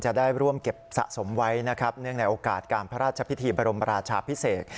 จะได้ร่วมเก็บสะสมไว้นะครับเนื่องในโอกาสการพระราชพิธีบรมราชาพิเศษ